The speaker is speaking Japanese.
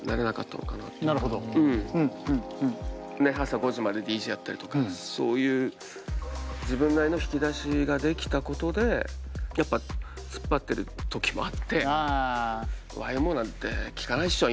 朝５時までＤＪやったりとかそういう自分なりの引き出しが出来たことでやっぱツッパってる時もあってＹＭＯなんて聴かないっしょ